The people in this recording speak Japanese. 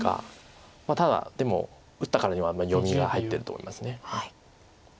ただでも打ったからには読みが入ってると思います。